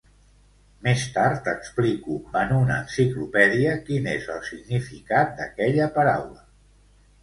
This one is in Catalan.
Més tard explico en una enciclopèdia quin és el significat d'aquella paraula.